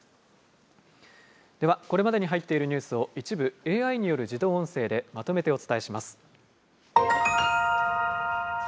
では、これまでに入っているニュースを一部ＡＩによる自動音声でまとめてお伝えします。